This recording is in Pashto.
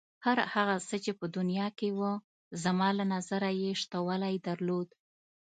هر هغه څه چې په دنیا کې و زما له نظره یې شتوالی درلود.